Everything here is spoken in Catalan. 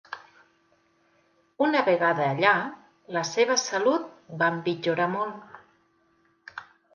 Una vegada allà, la seva salut va empitjorar molt.